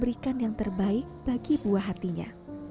berikan yang terbaik bagi buah hatinya